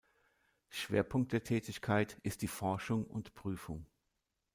Schwerpunkt der Tätigkeit ist die Forschung und Prüfung.